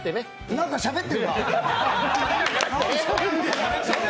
何かしゃべってんな。